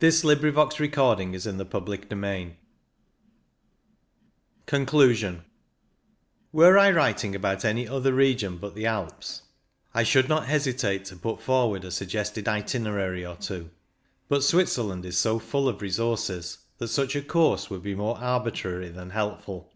CHAPTER XVIII CONCLUSION Were I writing about any other region but the Alps, I should not hesitate to put forward a suggested itinerary or two ; but Switzerland is so full of resources that such a course would be more arbitrary than helpful.